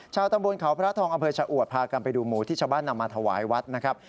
ชาวตำบลเขาพระทองอำเภอชะอวดพากันไปดูหมูที่ชาวบ้านนำมาถวายวัดนะครับ